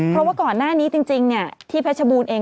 เพราะว่าก่อนหน้านี้จริงที่เพชรบูรณ์เอง